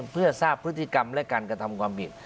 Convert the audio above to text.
เพื่อทราบพฤติกรรมและการกระทำความผิด